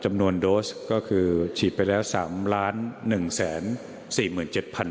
จำนวนโดสก็คือฉีดไปแล้วสามล้านหนึ่งแสนสี่หมื่นเจ็ดพัน